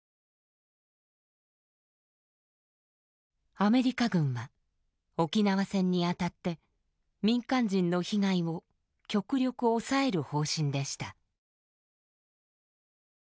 アメリカ軍は沖縄戦にあたって民間人の被害を極力抑える方針でした。